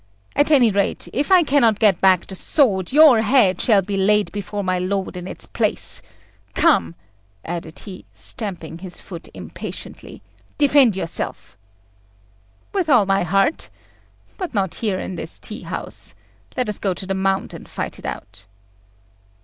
At any rate, if I cannot get back the sword, your head shall be laid before my lord in its place. Come," added he, stamping his foot impatiently, "defend yourself." "With all my heart. But not here in this tea house. Let us go to the Mound, and fight it out."